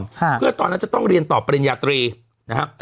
ค่ะเพื่อตอนนั้นจะต้องเรียนต่อปริญญาตรีนะครับค่ะ